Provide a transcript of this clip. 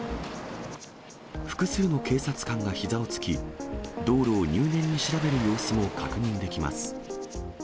複数の警察官がひざをつき、道路を入念に調べる様子も確認できます。